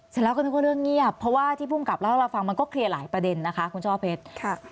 เสร็จแล้วก็นึกว่าเรื่องเงียบเพราะว่าที่ภูมิกับเล่าให้เราฟังมันก็เคลียร์หลายประเด็นนะคะคุณช่อเพชร